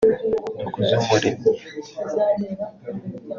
Dukuzumuremyi